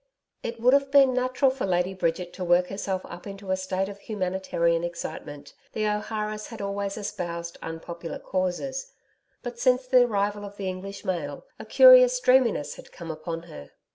It would have been natural for Lady Bridget to work herself up into a state of humanitarian excitement the O'Hara's had always espoused unpopular causes but since the arrival of the English mail a curious dreaminess had come upon her.